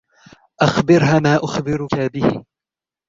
أخبرها ما أخبركَ به.